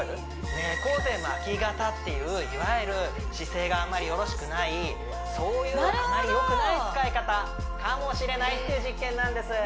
猫背巻き肩っていういわゆる姿勢があんまりよろしくないそういうあまりよくない使い方かもしれないっていう実験なんです